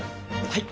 はい。